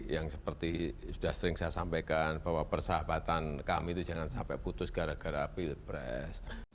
yang seperti sudah sering saya sampaikan bahwa persahabatan kami itu jangan sampai putus gara gara pilpres